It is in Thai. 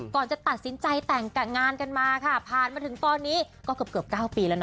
ก่อนจะตัดสินใจแต่งงานกันมาค่ะผ่านมาถึงตอนนี้ก็เกือบ๙ปีแล้วนะ